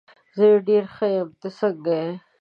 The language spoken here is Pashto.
زه ډېر ښه یم، ته څنګه یې؟